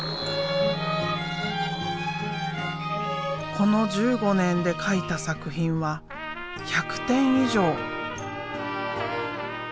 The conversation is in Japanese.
この１５年で描いた作品は１００点以上。